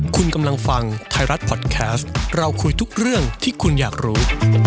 คุณกำลังฟังไทยรัฐพอดแคสต์เราคุยทุกเรื่องที่คุณอยากรู้